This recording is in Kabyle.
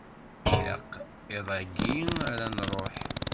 Ilaq iḍ-ayi ara nruḥ.